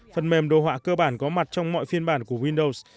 phần mềm đồ họa cơ bản có mặt trong mọi phiên bản của windows